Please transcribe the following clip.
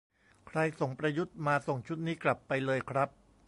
"ใครส่งประยุทธ์มา ส่งชุดนี้กลับไปเลยครับ"